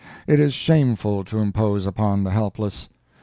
It is shameful to impose upon the helpless.